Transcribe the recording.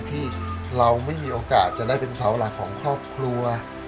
ที่เราไม่มีโอกาสจะได้เป็นเสาหลักของครอบครัว